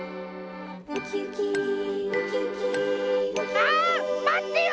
ああまってよ！